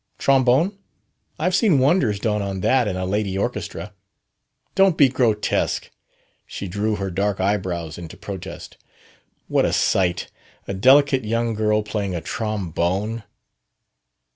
"Trombone? I've seen wonders done on that in a 'lady orchestra'." "Don't be grotesque." She drew her dark eyebrows into protest. "What a sight! a delicate young girl playing a trombone!"